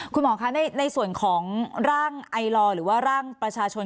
คุณหมอคะในส่วนของร่างไอลอหรือว่าร่างประชาชน